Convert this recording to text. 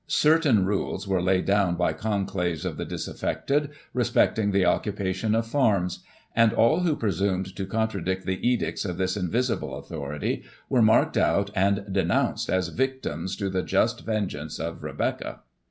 Certain rules were laid down by conclaves of the disaffected, respecting the occupation of farms ; and all who presumed to contradict the edicts of . this invisible authority, were marked out, and denounced as victims to the just vengeance of Rebecca.